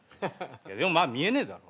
まあ見えねえだろ。